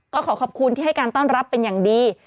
ก็ขอขอบคุณที่ให้การต้อนรับเป็นอย่างดี